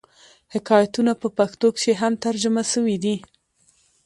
حکایتونه په پښتو کښي هم ترجمه سوي دي.